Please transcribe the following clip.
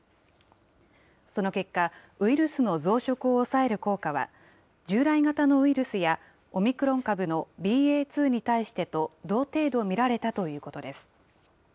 その結果、ウイルスの増殖を抑える効果は、従来型のウイルスやオミクロン株のＢＡ．２に対してと同程度見られたということです。